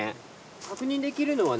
確認できるのはね